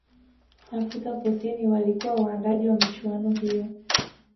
afrika kusini walikuwa waandaaji wa michuano hiyo